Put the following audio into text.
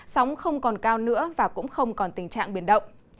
sóng không còn cao nữa và cũng không còn tình trạng biển động